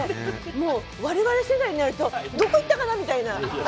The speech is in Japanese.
もう我々世代になるとどこ行ったかなみたいな。